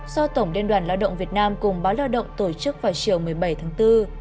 do tổng liên đoàn lao động việt nam cùng báo lao động tổ chức vào chiều một mươi bảy tháng bốn